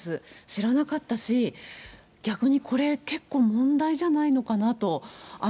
知らなかったし、逆にこれ、結構問題じゃないのかなと。